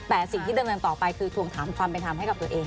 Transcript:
แต่สิ่งที่ดำเนินต่อไปคือทวงถามความเป็นธรรมให้กับตัวเอง